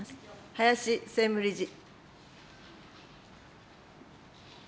林専務理事。